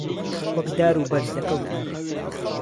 وەک دار و بەرد ده کهوتن